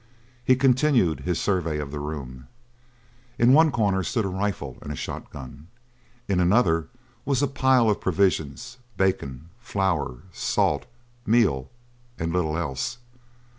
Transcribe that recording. He continued his survey of the room. In one corner stood a rifle and a shot gun; in another was a pile of provisions bacon, flour, salt, meal, and little else.